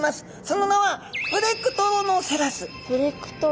その名はプレクトロノセラス？